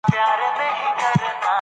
مطالعه وکړئ ترڅو په ټولنه کي رول ولرئ.